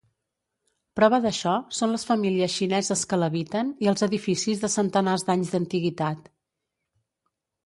Prova d'això són les famílies xineses que l'habiten i els edificis de centenars d'anys d'antiguitat.